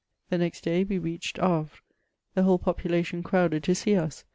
The next day we reached Havre. The whole population crowded to see us.